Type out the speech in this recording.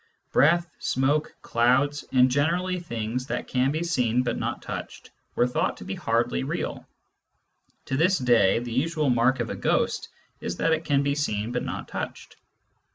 Breath, smoke, clouds, and generally things that can be seen but not touched, were thought to be hardly real ; to this day the usual mark of a ghost is that it can be seen but not touched.